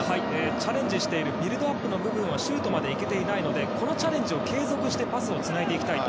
チャレンジしているビルドアップの部分でシュートまで行けていないのでチャレンジを継続してパスをつなぎたいと。